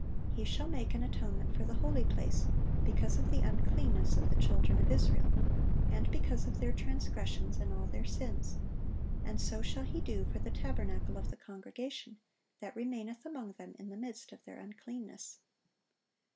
"He shall make an atonement for the holy place, because of the uncleanness of the children of Israel, and because of their transgressions in all their sins: and so shall he do for the tabernacle of the congregation, that remaineth among them in the midst of their uncleanness."